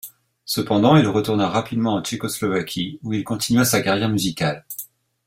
Cependant, il retourna rapidement en Tchécoslovaquie où il continua sa carrière musicale.